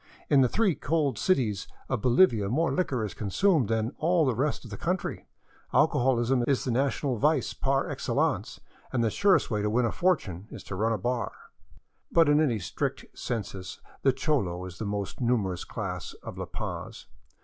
In the three cold cities of Bolivia more Hquor is consumed than in all the rest of the country ; alcoholism is the national vice par excellence, and the surest way to win a fortune is to run a bar." But in any strict census the cholo is the most numerous class of La Paz.